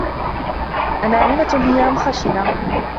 أَنَاعِمَةٌ هِي أَمْ خَشِنَةٌ ؟